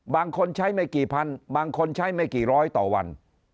บางคนใช้ไม่กี่พันบางคนใช้ไม่กี่ร้อยต่อวัน